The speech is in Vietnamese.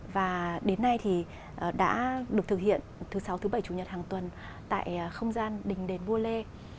và đến nay thì đã được thực hiện thứ sáu thứ bảy chủ nhật hàng tuần tại không gian đình đền bu lê